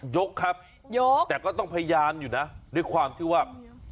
ยกครับยกแต่ก็ต้องพยายามอยู่นะด้วยความที่ว่า